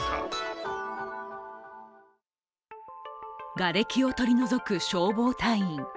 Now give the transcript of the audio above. がれきを取り除く消防隊員。